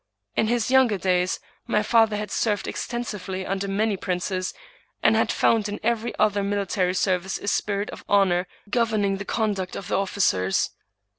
In his younger days, my father had served extensively under many princes, and had found in every other military service a spirit of honor governing the conduct of the officers.